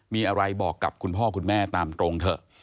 มีอะไรบอกกับคุณพ่อคุณแม่ตามตรงเถอะ